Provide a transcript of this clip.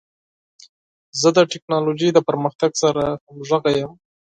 زه د ټکنالوژۍ د پرمختګ سره همغږی یم.